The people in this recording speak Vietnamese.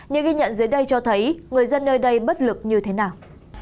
những ghi nhận dưới đây cho thấy người dân nơi đây bất lực như thế nào